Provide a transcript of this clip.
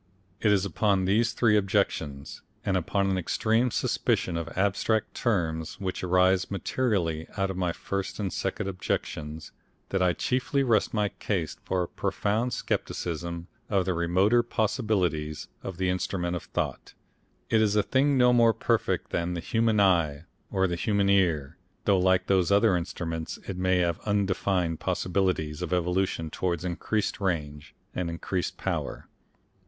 It is upon these three objections, and upon an extreme suspicion of abstract terms which arises materially out of my first and second objections, that I chiefly rest my case for a profound scepticism of the remoter possibilities of the Instrument of Thought. It is a thing no more perfect than the human eye or the human ear, though like those other instruments it may have undefined possibilities of evolution towards increased range, and increased power.